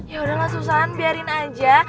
ya udahlah susan biarin aja